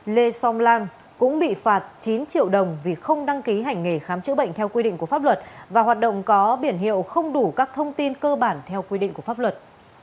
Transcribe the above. lê som lan cũng bị phạt chín triệu đồng vì không đăng ký hành nghề khám chữa bệnh theo quy định của pháp luật và hoạt động có biển hiệu không đủ các thông tin cơ bản theo quy định của pháp luật